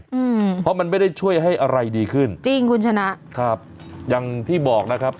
อืมเพราะมันไม่ได้ช่วยให้อะไรดีขึ้นจริงคุณชนะครับอย่างที่บอกนะครับ